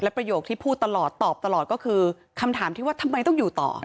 ประโยคที่พูดตลอดตอบตลอดก็คือคำถามที่ว่าทำไมต้องอยู่ต่อ